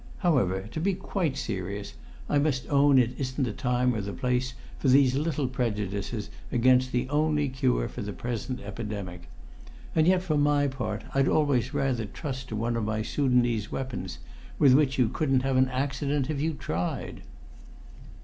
However, to be quite serious, I must own it isn't the time or place for these little prejudices against the only cure for the present epidemic. And yet for my part I'd always rather trust to one of my Soudanese weapons, with which you couldn't have an accident if you tried."